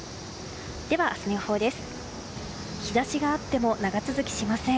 では、明日の予報です。